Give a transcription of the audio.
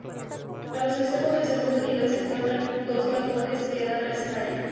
A los extremos del segundo nivel se encuentran dos balcones que dan al escenario.